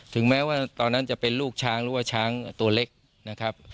ถึงแม้ว่าตอนนั้นจะเป็นลูกช้างหรือว่าช้างตัวเล็กนะครับ